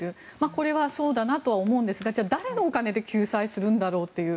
これはそうだなとは思うんですがじゃあ、誰のお金で救済するんだろうという。